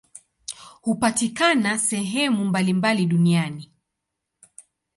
Hupatikana sehemu mbalimbali duniani.